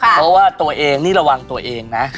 เพราะว่าตัวเองนี่ระวังตัวเองนะ